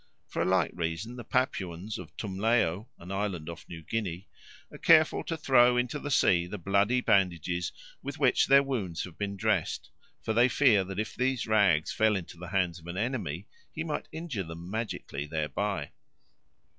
For a like reason the Papuans of Tumleo, an island off New Guinea, are careful to throw into the sea the bloody bandages with which their wounds have been dressed, for they fear that if these rags fell into the hands of an enemy he might injure them magically thereby.